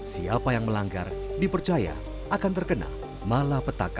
siapa yang melanggar dipercaya akan terkena malapetaka